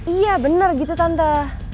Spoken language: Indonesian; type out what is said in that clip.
iya bener gitu tante